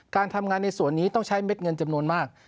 การทำงานในส่วนนี้ต้องใช้เม็ดเงินจำนวนมาก